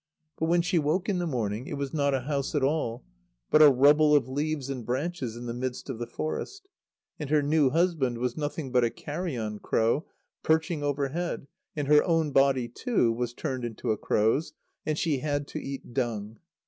But when she woke in the morning it was not a house at all, but a rubble of leaves and branches in the midst of the forest; and her new husband was nothing but a carrion crow perching overhead, and her own body, too, was turned into a crow's, and she had to eat dung.